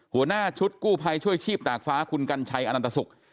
หัวหน้าชุดกู้ภัยช่วยชีพตากฟ้าคุณกัญชัยอนันตสุข